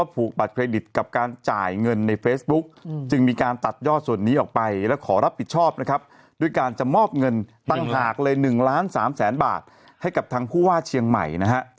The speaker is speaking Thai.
ผากเลย๑ล้าน๓แสนบาทให้กับทางผู้ว่าเชียงใหม่นะฮะ